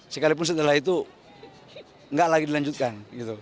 sekalipun setelah itu nggak lagi dilanjutkan